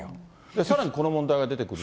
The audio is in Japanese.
さらにこの問題が出てくると。